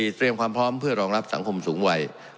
เตรียมความพร้อมเพื่อรองรับสังคมสูงวัย